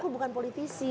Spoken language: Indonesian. aku bukan politisi